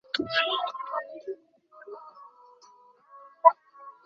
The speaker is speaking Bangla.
রাতের খাবার ভালো হয়েছিল?